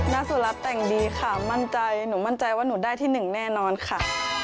สุรัตน์แต่งดีค่ะมั่นใจหนูมั่นใจว่าหนูได้ที่๑แน่นอนค่ะ